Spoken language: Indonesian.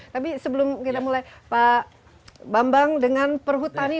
tapi sebelum kita mulai pak bambang dengan perhutani